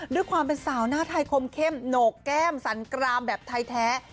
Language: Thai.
ด้วยความเป็นสาวหน้าไทยคมเข้มโหนกแก้มสันกรามแบบไทยแท้